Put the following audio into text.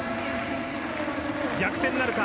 逆転なるか。